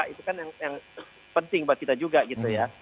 itu kan yang penting buat kita juga gitu ya